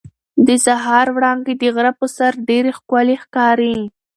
د سهار وړانګې د غره پر سر ډېرې ښکلې ښکاري.